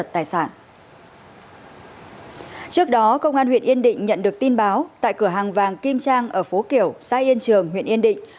trước đó công an huyện yên định nhận được tin báo tại cửa hàng vàng kim trang ở phố kiểu xã yên trường huyện yên định